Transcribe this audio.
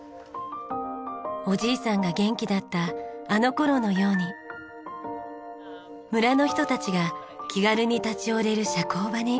おじいさんが元気だったあの頃のように村の人たちが気軽に立ち寄れる社交場に。